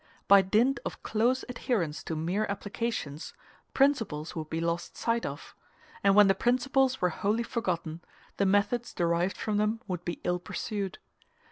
By dint of close adherence to mere applications, principles would be lost sight of; and when the principles were wholly forgotten, the methods derived from them would be ill pursued.